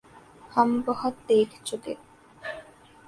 ہم بہت دیکھ چکے۔